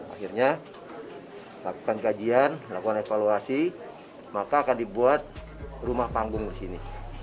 akhirnya lakukan kajian lakukan evaluasi maka akan dibuat rumah panggung di sini